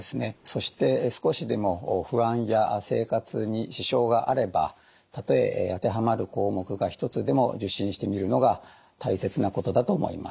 そして少しでも不安や生活に支障があればたとえ当てはまる項目が１つでも受診してみるのが大切なことだと思います。